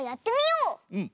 うん。